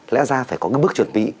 lẽ ra phải có cái bước chuẩn bị